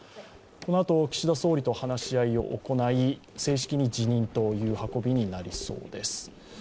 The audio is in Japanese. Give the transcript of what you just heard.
このあと岸田総理と話し合いを行い正式に辞任という運びになりそうです。